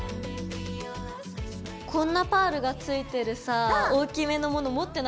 こんなパールがついてるさぁ大きめのもの持ってないからちょっと新鮮かも。